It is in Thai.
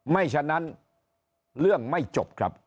ฉะนั้นเรื่องไม่จบครับ